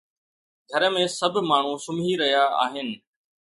گهر ۾ سڀ ماڻهو سمهي رهيا آهن